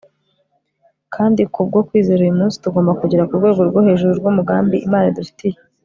Kandi kubwo kwizera uyu munsi tugomba kugera ku rwego rwo hejuru rwumugambi Imana idufitiye